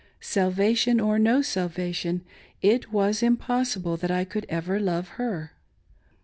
Salvation or no salvation, it was impossible that I could ever love her.